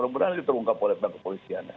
bener bener terungkap oleh polisian